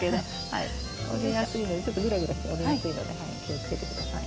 折れやすいのでちょっとグラグラして折れやすいので気をつけて下さい。